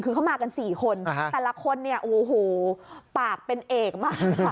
คือเขามากัน๔คนแต่ละคนเนี่ยโอ้โหปากเป็นเอกมาก